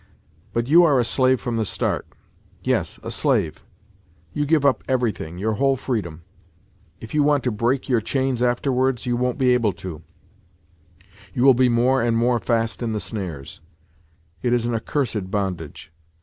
But you are a slave from the start. Yes, a slave ! You give up everything, your whole freedom. If you want to break your chains afterwards, you won't be able to : you will be more and more fast in the snares. It is an accursed bondage.